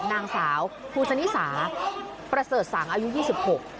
นางสาวภูชนิสาประเสริฐสังอายุยี่สิบหก